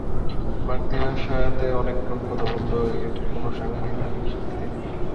মাগধী ভাষাতে অনেক লোক কথা বললেও এটির কোন সাংবিধানিক স্বীকৃতি নেই।